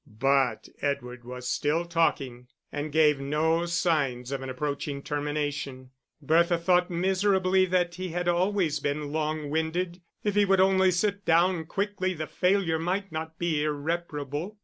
But Edward was still talking, and gave no signs of an approaching termination. Bertha thought miserably that he had always been long winded: if he would only sit down quickly the failure might not be irreparable.